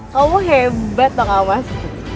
kamu hebat dong amas